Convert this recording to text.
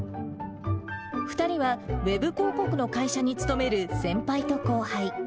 ２人は、ウェブ広告の会社に勤める先輩と後輩。